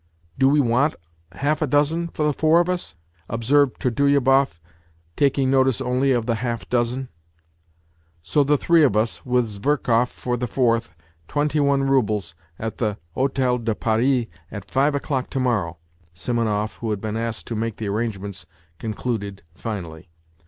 " Do we want half a dozen for the four of us ?" observed Trudolyubov, taking notice only of the half dozen. " So the three of us. with Zverkov for the fourth, twenty one roubles, at the Hotel de Paris at five o'clock to morrow," Simonov, who had been asked to make the arrangements, con cluded finally.